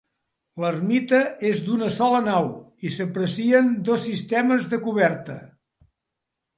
L'ermita és d'una sola nau i s'aprecien dos sistemes de coberta.